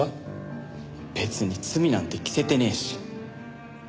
別に罪なんて着せてねえし。